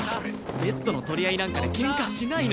ベッドの取り合いなんかで喧嘩しないの。